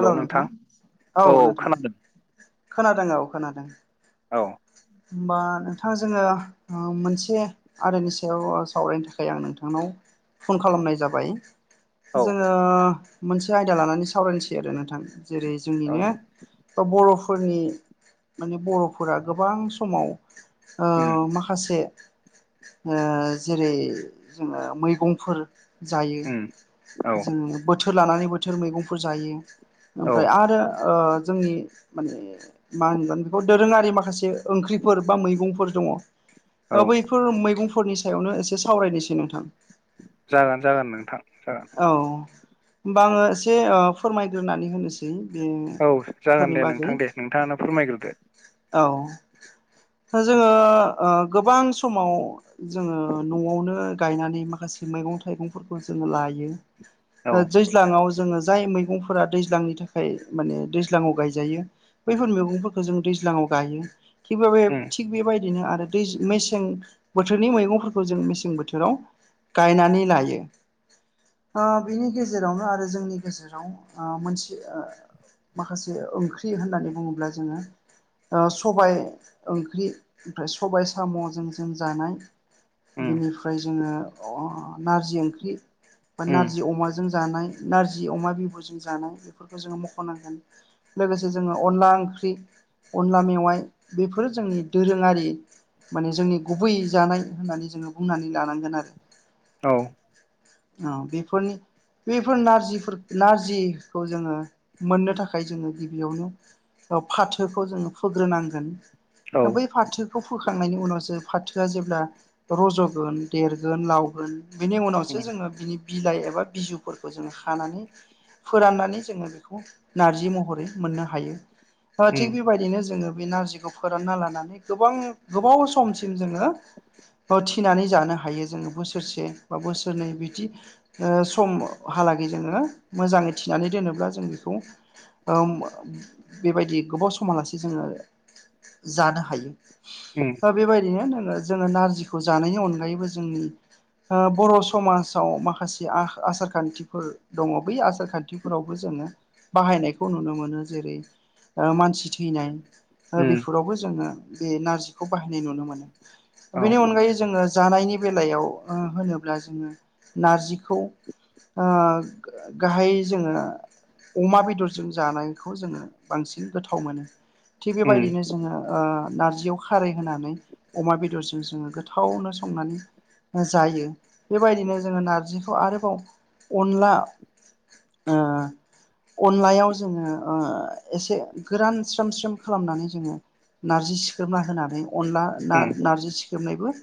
Hello नोंथां औ नोंथां खोनादों औ खोनादों। औ होमबा नोंथाङा जोङो मोनसे आदानि सायाव सावरायनो थाखाय आं नोंथांनाव फन खालामनाय जाबाय औ जोङो मोनसे आयदा लानानै सावरायनोसै आरो नोंथां। जेरै औ जोंनिनो बा बर'फोरनि माने बर'फोरा गोबां समाव उम माखासे जेरै जोङो मैगंफोर जायो उम औ जोङो बोथोर लानानै बोथोर मैगंफोर जायो। औ ओमफ्राय आरो जोंनि माने मा होनगोन बेखौ दोरोङारि माखासे ओंख्रि फोरबा मैगं फोर दङ औ बैफोर मैगंफोरनि सायावनो एसे सावरायनोसै नोंथां। जागोन जागोन नोंथां जागोन। औ होमबा आङो एसे फोरमायग्रोनानै होनोसै। बे औ जागोन फोरनि दे बागै नोंथां दे नोंथाङानो फोरमायग्रोदो औ जोङो गोबां समाव जोङो न'आवनो गायनानै माखासे मैगं थायगं फोरखौ लायो औ दैज्लाङाव जोङो जाय मैगंफोरा दैज्लांनि थाखाय माने दैज्लाङाव गायजायो बैफोर मैगंफोरखौ जों दैज्लाङाव गायो [unintelligible] थिग उम बेबाय बिदिनो आरो दै मेसें बोथोरनि मैगंफोरखौ जों मेसें बोथोराव गायनानै लायो बिनि गेजेरावनो आरो जोंनि गेजेराव मोनसे माखासे ओंख्रि होननानै बुङोब्ला जोङो सबाय ओंख्रि सबाय साम'जों जों जानाय उम बेनिफ्राय जोङो नारजि ओंख्रि बा उम नारजि अमाजों जानाय नारजि अमा बिबुजों जानाय बेफोरखौ जो मखनांगोन लोगोसे जोङो अनलांख अंख्रि अनला मेवाइ बेफोरो जोंनि दोरोङारि माने जोंनि गुबै जानाय होननानै जोङो बुंनानै लानांगोन आरो औ औ बेफोरनि बेफोर नारजि नारजिखौ जोङो मोननो थाखाय जोङो गिबियावनो फाथोखौ जोङो फुोग्रोनांगोन औ बै फाथोखौ फो खांनायनि उनावसो फाथो गाजो रज'गोन देरगोन लावगोन बिनि उनावसो उम जोङो बिनि बिलाइ एबा बिजुफोरखौ जोङ हानानै फोराननानै जोङो बेखौ नारजि महरै मोननो हायो थिग उम बेबायदिनो जोङो बे नारजिखौ फोरानना लानानै गोबां गोबाव समसिम जोङो थिनानै जानो हायो जोङो बोसोरसे बा बोसोरनै बिदि समहालागै जोङो मोजाङै थिनानै दोनोब्ला जों बेखौ बेबायदि गोबाव समालासे जोङो जानो हायो उम दा बेबायदिनो जोङो नारजिखौ जानायनि अनगायैबो जोंनि ओ बर' समाज आव माखासे आसार खान्थिफोर दङ बै आसार खान्थिफोरावबो जोङो बाहायनायखौ नु नुनो मोनो जेरै ओ मानसि थैनाय ओ उम बेफोरावबो जोङो बे नारजिखौ बाहायनाय नुनो मोनो औ बेनि अनगायै जोङो जानायनि बेलायाव होनोब्ला जोङो नारजिखौ ओ गाहाय जोङो अमा बेदरजों जानायखौ जोङो बांसिन गोथाव मोनो। थिग उम बेबायदिनो जोङो ओ नारजियाव खारै होनानै अमा बेदरजों जोङो गोथावनो संनानै जायो बेबायदिनो जोङो नारजिखौ आरोबाव अनला ओ अनलायाव जोङो एसे ओ गोरान स्रोम स्रोम खालामनानै जोङो नारजि सिख्रेबना होनानै अनला ना उम नारजि सिखेबनायबो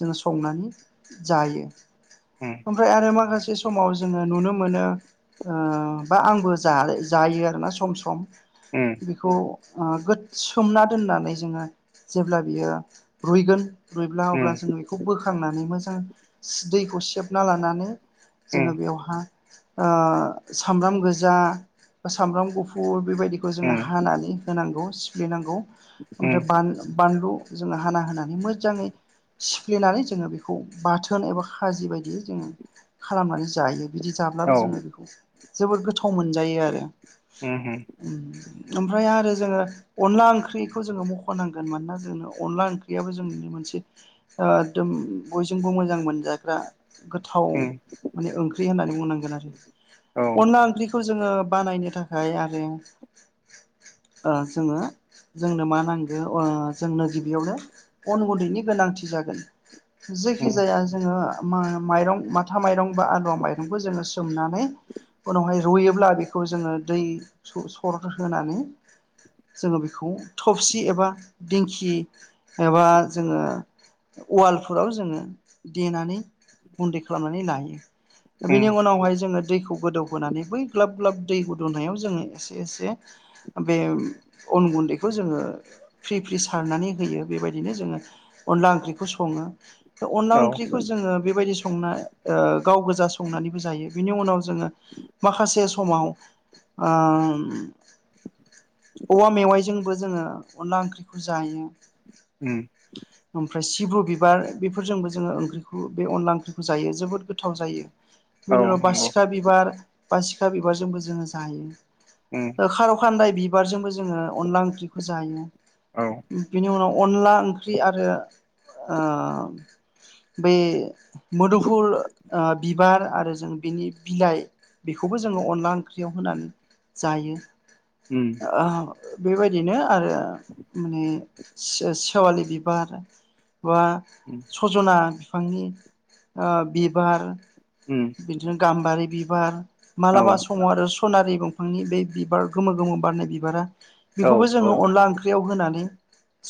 जोङो संनानै जायो। उम ओमफ्राय आरो माखासे समाव जोङो नुनो मोनो ओ बा आंबो जायो आरोना सम सम उम बेखौ ओ गो सोमना दोननानै जोङो जेब्ला बियो रुइगोन रुइब्ला उम अब्ला जों बेखौ बोखांनानै मोजां दैखौ सेबना लानानै जोङो बेवहा ओ सामब्राम गोजा ब सामब्राम गुफुर बेबायदिखौ जोङो उम हानानै होनांगौ सिफ्लेनांगौ उम ओमफ्राय बानलु जोङो हाना होनानै मोजाङै सिफ्लेनानै जोङो बेखौ बाथोन एबा खाजि बायदि बिदि जोङो खालामनानै जायो बिदि जाब्लाबो औ जोङो बेखौ जोबोद गोथाव मोनजायो आरो। उम ओम ओमफ्राय आरो जोङो अनला ओंख्रिखौ जोङो मख'नांगोन मानोना जोङो अनला ओंख्रियाबो जों नुनो मोनो मोनसे आदम बयजोंबो मोजां मोनजाग्रा गोथाव उम माने ओंख्रि होननानै बुंनांगोन आरो औ अनला ओंख्रिखौ जोङो बानायनो थाखाय आरो ओ जोङो जोंनो मा नांगौ ओ जोंनो गिबियावनो अन गन्दैनि गोनांथि जागोन। जायखि उम जाया जोङो माइरं माथा माइरं बा आलुवा माइरंखौ जोङो सोमनानै उनावहाय रुयोब्ला बेखौ जोङो दै स सर होनानै जोङो बेखौ थफसि एबा दिंखि एबा जोङो उवालफोराव जोङो देनानै गुन्दै खालामनानै लायो उम बेनि उनावहाय जोङो दैखौ गोदौहोनानै बै ग्लाब ग्लाब दै गोदौनायाव जोङो एसे एसे बे अन गुन्दैखौ जोङो फ्रि फ्रि सारनानै होयो बेबायदिनो जोङो अनला ओंख्रिखौ सङो। दा अनदला औ ओंख्रिखौ जोङो बेबायदि संना ओ गाव गोजा संनानैबो जायो बिनि उनाव जोङो माखासे समाव आ औवा मेवाइजोंबो जोङो अनला ओंख्रिखौ जायो। ओम ओमफ्राय सिब्रु बिबार बेफोरजोंबो जोङो ओंख्रिखौ बे अनला ओंख्रिखौ जायो जोबोद गोथाव जायो। औ बिनि उनाव नंगौ बासिखा बिबार बासिखा बिबारजोंबो जोङो उम जायो। खार' खान्दाय बिबारजोंबो जोङो अनला ओंख्रिखौ जायो औ बेनि उनाव अनला ओंख्रि आरो ओ बे मोदुफुल ओ बिबार आरो जों बिनि बिलाइ बेखौबो जोङो अनला ओंख्रियाव होनानै जायो। उम बेबायदिनो आरो माने से सेवालि बिबार बा उम सजना बिफांनि बिबार उम बिदिनो गाम्बारि बिबार औ मालाबा समाव आरो सनारि दं बिफांनि बे बिबार गोमो गोमो बारनाय बिबारा औ बेखौबो जोङो औ अनला ओंख्रियाव होनानै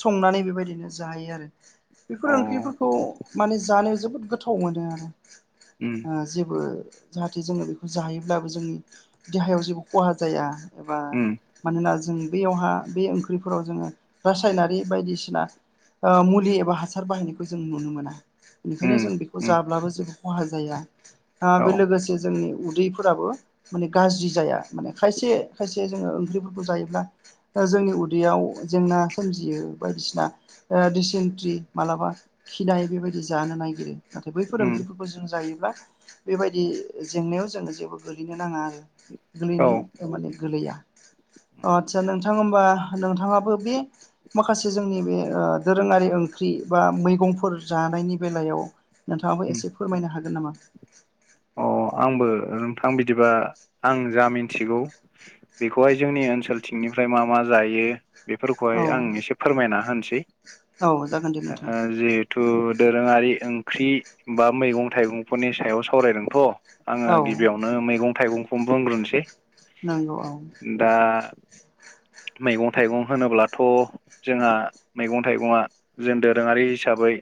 संनानै बेबायदिनो जायो आरो अ बेफोर उम ओंख्रिफोरखौ माने जानोाव जोबोद गोथाव मोनो आरो जेबो जाहाथे जोङो बेखौ जायोब्लाबो जोंनि देहायाव जेबो खहा जाया एबा उम मानोना जों बेयावहा बे ओंख्रिफोराव जोङो रासायनारि बायदिसिना मुलि एबा हासार बाहायनायखौ जों नुनो मोना बेनिखायनो उम जों बेखौ उम जाब्लाबो जेबो खहा जाया औ बे लोगोसे जोंनि उदैफोराबो माने गाज्रि जाया माने खायसे खायसे जोङो ओंख्रिफोरखौ जायोब्ला जोंनि उदैयाव जेंना सोमजियो बायदिसिना रिसेन्टलि मालाबा फिनायै बेबायदि जानो नागिरो नाथाय बै उम फोरोंगिरिफोरखौ जों जायोब्ला बेबायदि जेंनायाव जोङो जेबो गोलैनो नाङा आरो औ गोलैनो माने गोलैया आचसा नोंथां होम्बा नोंथाङाबो बे माखासे जोंनि बे दोरोङारि ओंख्रि बा मैगंफोर जानायनि बेलायाव नोंथाङाबो उम एसे फोरमायनो हागोन नामा अ आंबो नोंथां बिदिबा आं जा मिन्थिगौ बेखौहाय जोंनि ओनसोलथिंनिफ्राय मा मा जायो औ बेफोरखौहाय आं एसे फोरमायना होनोसै औ जागोन दे नोंथाङा ओ जिहेथु दोरोङारि ओंख्रि बा मैगं थाइगंफोरनि सायाव सावरायदोंथ' आङो औ गिबियावनो मैगं थाइगंखौनो बुंग्रोनसै नांगौ औ [unintelligible] मैगं थाइगं होनोब्लाथ' जोंहा मैगं थाइगंा जों दोरोङारि हिसाबै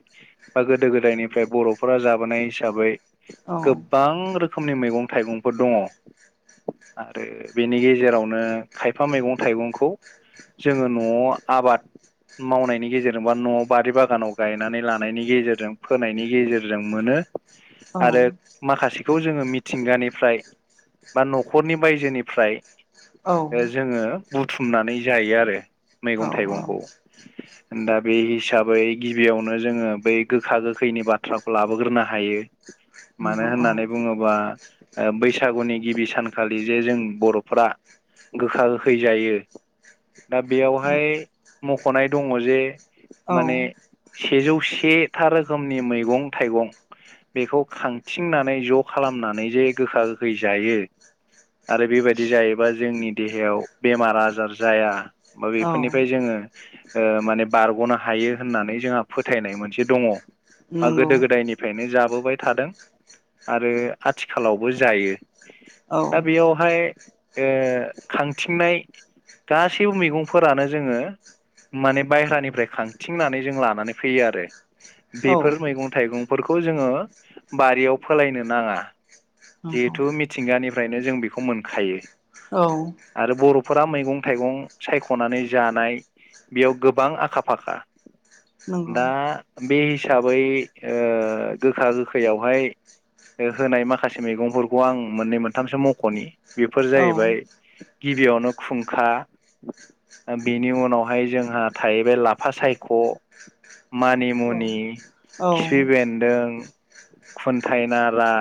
बा गोदो गोदायनिफ्राय बर'फोरा जाबोनाय हिसाबै औ गोबां रोखोम रोखोमनि मैगं थाइगंफोर दङ। आरो बेनि गेजेरावनो खायफा मैगं थाइगंखौ जोङो न'आव आबाद मावनायनि गेजेरजों बा न'आव बारि बागानाव गायनानै लानायनि गेजेरजों फोनायनि गेजेरजों मोनो औ आरो माखासेखौ जोङो मिथिंगानिफ्राय बा न'खरनि बायजोनिफ्राय औ जोङो बुथुमनानै जायो आरो मैगं औ औ थाइगंखौ दा बे हिसाबै गिबियावनो जोङो बै गोखा गोखैनि बाथ्राखौ लाबोग्रोनो हायो मानो नंगौ औ होननानै बुङोबा बैसागुनि गिबि सानखालि जे जों बर'फ गोखा हैैजायो दा बेयावहाय मख'नाय दङ जे औ माने सेजौ सेथा रोखोमनि मैगं थाइगं बेखौ थिंनानै ज' खालामनानै जे गोखा गोखै जायो। आरो बेबायदि जायोबा जोंनि देहायाव बेमार आजार जाया बा औ बेफोरनिफ्राय जोङो माने बारग'नो हायो होननानै जोंहा फोथायनाय मोनसे दङ। बा नंगौ गोदो गोदायनिफ्रायनो जाबोबाय थादों आरो आथिखालावबो जायो। औ दा बेयावहाय खांथिंनाय गासैबो मैगंफोरानो जोङो। माने बायहेरानिफ्राय खांथिंनानै जों लानानै फैयो आरो औ बेफोर मैगं थाइगंफोरखौ जोङो बारियाव फोलायनो नाङा नंगौ जिहेथु मिथिंगानिफ्रायनो जों बेखौ मोनखायो औ फोरा मैगं थाइगं सायख'नानै जानाय बेयाव गोबां आखा फाखा। नंगौ दा बे हिसाबै ओ गोखा गोखैयावहाय होनाय माखासे मैगंफोरखौ आं मोननै मोनथामसो मख'नि बेफोर औ जाहैबाय गिबियावनो खुंखा बेनि उनावहाय जोंहा थाहैबाय लाफा सायख' औ मानिमुनि औ खिफि बेन्दों खुन्थायाइनारा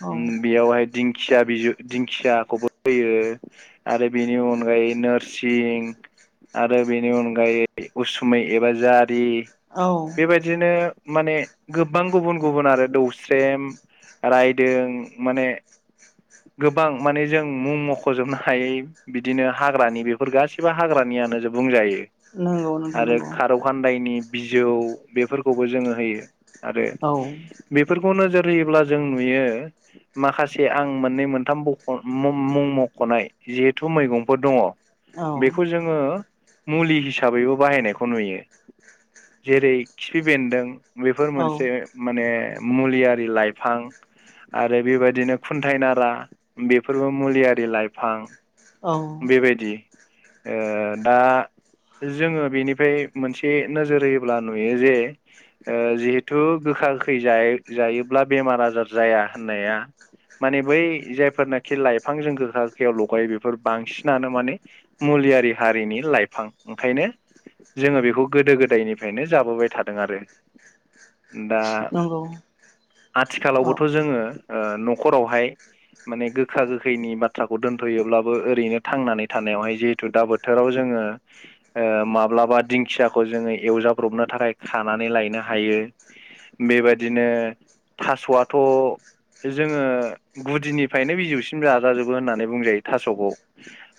औ बेयावहाय दिंखिया बिजौ दिंखियाखौबो होयो आरो बेनि अनगायै नोरसिं आरो बेनि अनगायै उसुमै एबा जात दि औ बेबायदिनो माने गोबां गुबुन गुबुन आरो दौस स्रेम रायदों माने। गोबां माने जों मुं मखजोबनो हायै बिदिनो हाग्रानि बेफोर गासिबो हाग्रानि नियानो बुंजायो नंगौ नोंथां आरो नंगौ खारौ खान्दायनि बिजौ बेफोरखौबो जोङो होयो आरो औ बे खौ नोजोर होयोब्ला जों नुयो माखासे आं मोननै मोनथाम मख' मम मम मुं मखनाय जिहेथु मैगंफोर दङ औ बेखौ जोङो मुलि हिसाबैबो बाहायनायखौ नुयो जेरै खिफि बेन्दों बेफोर औ मोनसे माने मुलियारि लाइफां आरो बेबायदिनो खुन्थायाइ नारा बेफोरबो मुलियारि लाइफां औ बेबायदि ओ दा जोङो बेनिफ्राय मोनसे नोजोर होयोब्ला नुयो जे ओ जिहेथु गोखा गोखै जायो-जायोब्ला बेमार आजार जाया होननाया माने बै जायफोरनाखि लाइफांजों गोखा गोखायाव लगायो बेफोर बांसिनानो माने मु लि आहारि हारिनि लाइफां ओंखायनो जोङो बेखौ गोदो गोदायनिफ्रायनो जाबोबाय थादों आरो। दा नंगौ औ आथिखालावबोथ जोङो ओ नखरावहाय माने गोखा गोखैनि बाथ्राखौ दोनथयोब्लाबो ओरैनो थांनानै थानायावहाय जिहेतु दा बोथोराव जों ङो ओ माब्लाबा दिंखियाखौ जोङो एवजाब्रबनो थाखाय खानानै लायनो हायो बेबादिनो थास आथ जोङो गुदिनिफ्रायनो बिजौसिम जाजाजोबो होननानै बुंजायो थासखौ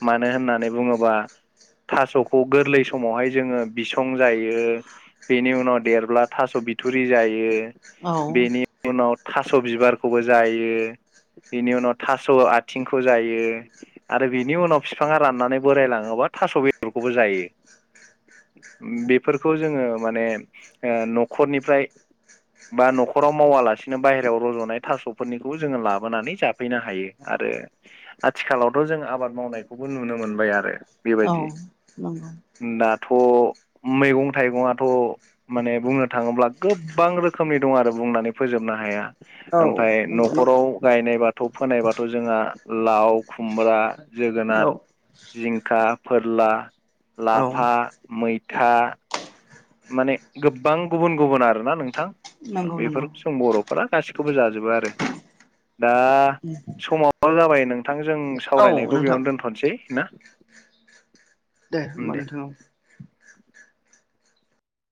मानो होननानै बुङोबा थासखौ गोरलै समावहाय जोङो बिसं जायो बेनि उनाव देरब्ला थास बिथुरि जायो औ बेनि उनाव थास बिबारखौबो जायो बिनि उनाव थास आथिंखौ जायो आरो बिनि उनाव बिफाङा राननानै बोराय लाङोबा थास बेदरखौबो जायो। [inaudible] बेफोरखौ जोङो माने ओ नखरनिफ्राय बा नखराव मावालासिनो बाहेरायाव रजनाय थासफोरनिखौ जोङो लाबोनानै जाफैनो हायो आरो आथिखालावथ जों आबाद मावनायखौबो नुनो मोनबाय आरो औ बेबायदि। नंगौ दाथ मैगं थाइगङाथ माने बुंनो थाङोब्ला गोबां रोखोम खोमनि दं आरो बुंनानै फोजोबनो हाया औ ओमफ्राय नंगौ नंगौ नखराव गायनाय बा थ फोनायबाथ जोंहा लाव खुमब्रा औ जोगोनार जिंखा फोरला औ लाफा मैथा माने गोब्बां गुबुन गुबुन आरोना नोंथां नंगौ नंगौ बेफोर जों बरफोरा गासिखौबो जाजोबो आरो। दा समाबो जाबाय नोंथां जों औ सावरायनायखौ नोंथां बेयावनो दोनथनोसै ना? दे होमबा नोंथां औ।